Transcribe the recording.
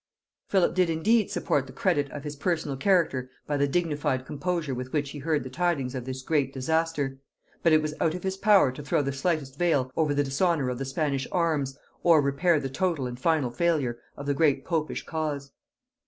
Philip did indeed support the credit of his personal character by the dignified composure with which he heard the tidings of this great disaster; but it was out of his power to throw the slightest veil over the dishonor of the Spanish arms, or repair the total and final failure of the great popish cause.